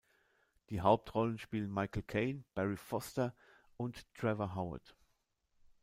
Die Hauptrollen spielen Michael Caine, Barry Foster und Trevor Howard.